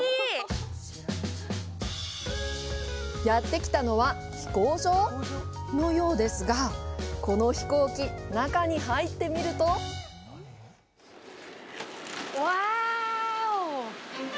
やってきたのは飛行場？のようですが、この飛行機、中に入ってみるとウワァオ！